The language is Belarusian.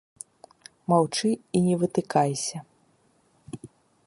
Маўчы і не вытыкайся.